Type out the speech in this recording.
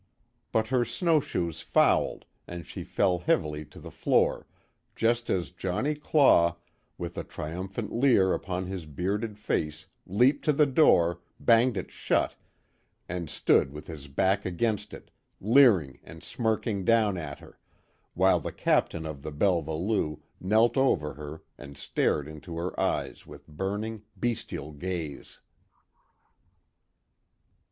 But her snowshoes fouled, and she fell heavily to the floor, just as Johnnie Claw, with a triumphant leer upon his bearded face leaped to the door, banged it shut, and stood with his back against it, leering and smirking down at her, while the Captain of the Belva Lou knelt over her and stared into her eyes with burning, bestial gaze.